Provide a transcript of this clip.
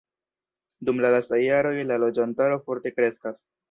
Dum la lastaj jaroj la loĝantaro forte kreskas.